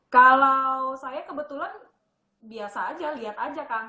kalau saya kebetulan